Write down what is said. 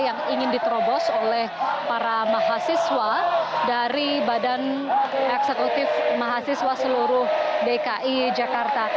yang ingin diterobos oleh para mahasiswa dari badan eksekutif mahasiswa seluruh dki jakarta